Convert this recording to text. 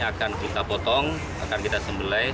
akan kita potong akan kita sembelai